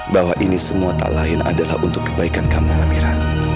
bahwa ini semua tak lain adalah untuk kebaikan kamu lah mira